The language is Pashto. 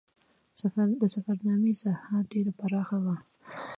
د سفرنامې ساحه ډېره پراخه وه.